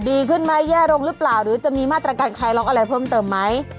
ดีขึ้นไหมแย่ลงหรือเปล่าหรือจะมีมาตรการคลายล็อกอะไรเพิ่มเติมไหม